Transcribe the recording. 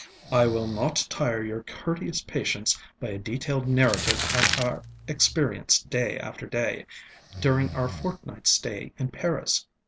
ŌĆ£I will not tire your courteous patience by a detailed narrative of our experiences day after day, during our fortnightŌĆÖs stay in Paris.